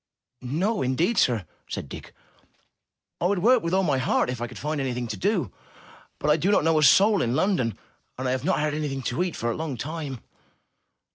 ''No, indeed, sir!'' said Dick. ''I would work with all my heart, if I could find anything to do. But I do not know a single soul in London, and I have not had anything to eat for a long time.'